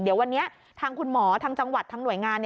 เดี๋ยววันนี้ทางคุณหมอทางจังหวัดทางหน่วยงาน